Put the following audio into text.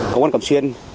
công an cầm xuyên